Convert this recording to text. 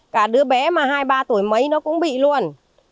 cả đứa bé mà hai ba tuổi mấy nó cũng bị luôn